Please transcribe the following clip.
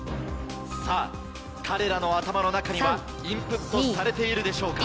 さぁ彼らの頭の中にはインプットされているでしょうか。